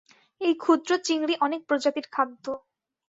এই ক্ষুদ্র চিংড়ি অনেক প্রজাতির খাদ্য।